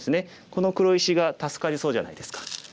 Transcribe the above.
この黒石が助かりそうじゃないですか。